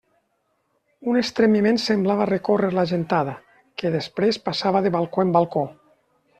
Un estremiment semblava recórrer la gentada, que després passava de balcó en balcó.